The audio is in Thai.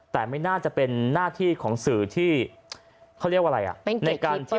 แต่ไม่น่าจะเป็นหน้าที่ของสื่อที่เขาเรียกว่าอะไรอ่ะในการที่